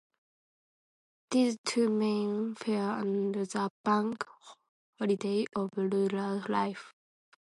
These two main fairs are the Bank Holidays of rural life.